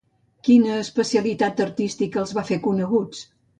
Quina especialitat artística els va fer coneguts?